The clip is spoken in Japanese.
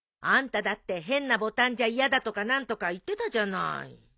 あんただって「変なボタンじゃ嫌だ」とか何とか言ってたじゃない。